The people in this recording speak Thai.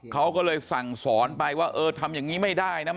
เขาก็เลยสั่งสอนไปว่าเออทำอย่างนี้ไม่ได้นะ